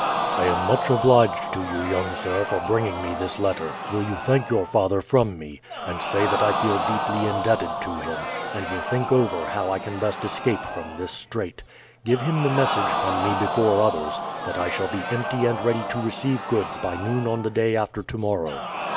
"I am much obliged to you, young sir, for bringing me this letter. Will you thank your father from me, and say that I feel deeply indebted to him, and will think over how I can best escape from this strait. Give him the message from me before others, that I shall be empty and ready to receive goods by noon on the day after tomorrow."